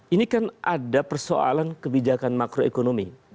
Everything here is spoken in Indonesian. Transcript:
ini kan ada persoalan kebijakan makroekonomi